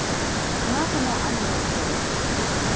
このあとの雨の予想です。